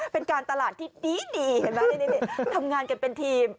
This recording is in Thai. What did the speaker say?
เป็นการตลาดที่ดีเห็นไหมทำงานกันเป็นทีม